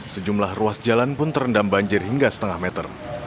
sejumlah ruas jalan pun terendam banjir hingga setengah meter